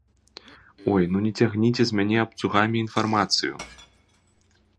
Ой, ну не цягніце з мяне абцугамі інфармацыю!